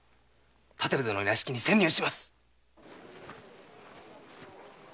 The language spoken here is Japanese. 建部殿の屋敷に潜入します。